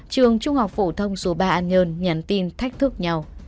trường trung học phổ thông số ba an nhơn nhắn tin thách thức nhau